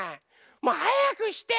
もうはやくして！